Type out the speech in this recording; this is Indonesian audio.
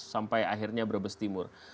sampai akhirnya berbes timur